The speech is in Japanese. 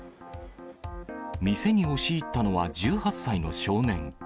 店に押し入ったのは１８歳の少年。